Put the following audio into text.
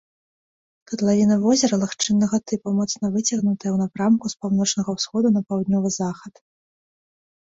Катлавіна возера лагчыннага тыпу, моцна выцягнутая ў напрамку з паўночнага ўсходу на паўднёвы захад.